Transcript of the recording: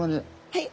はい。